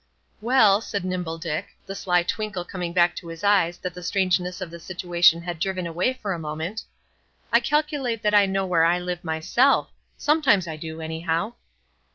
"Well," said Nimble Dick, the sly twinkle coming back to his eyes that the strangeness of the situation had driven away for a moment, "I calculate that I know where I live myself; sometimes I do, anyhow."